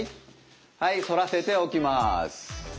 はい反らせて起きます。